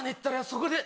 そこで。